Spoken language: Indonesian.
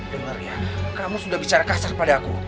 dengar ya kamu sudah bicara kasar pada aku